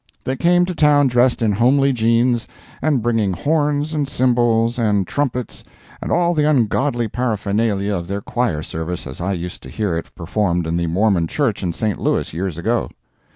They came to town dressed in homely jeans, and bringing horns, and cymbals, and trumpets and all the ungodly paraphernalia of their choir service as I used to hear it performed in the Mormon Church in St. Louis years ago.